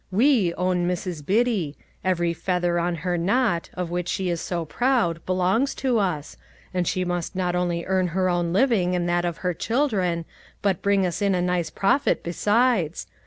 We own Mrs. Biddy ; every feather on her knot, of which she is so proud, belongs to us, and she must not only earn her own living and that of her children, but bring us in a nice profit besides.